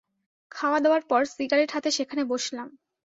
খাওয়াদাওয়ার পর সিগারেট হাতে সেখানে বসলাম।